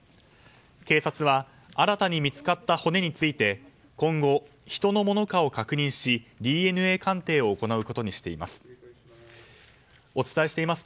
警察は新たに見つかった骨について今後、人のものかを確認しＤＮＡ鑑定を行うことにしています。